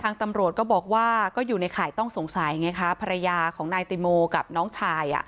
ตำรวจก็บอกว่าก็อยู่ในข่ายต้องสงสัยไงคะภรรยาของนายติโมกับน้องชาย